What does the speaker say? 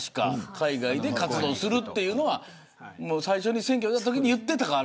海外で活動するっていうのは最初に選挙に出たときに言っていたから。